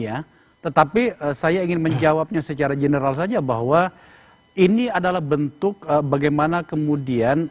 ya tetapi saya ingin menjawabnya secara general saja bahwa ini adalah bentuk bagaimana kemudian